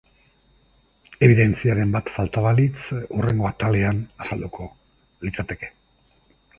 Ebidentziaren bat falta balitz, hurrengo atalean azalduko litzateke.